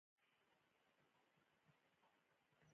د عامه کتابتونونو کلتور په پښتني سیمو کې ورو ورو مخ په ودې دی.